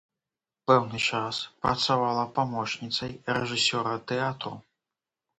Пэўны час працавала памочніцай рэжысёра тэатру.